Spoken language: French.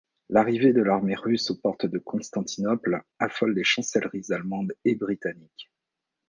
L'arrivée de l'armée russe aux portes de Constantinople affole les chancelleries allemande et britannique.